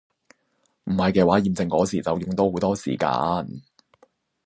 唔係嘅話驗證個時就用多好多時間